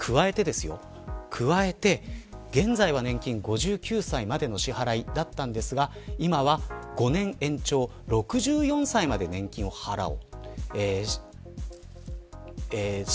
加えて現在は、年金５９歳までの支払いだったんですが今は５年延長６４歳まで年金を払う。